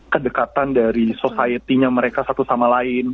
kedekatan dari society nya mereka satu sama lain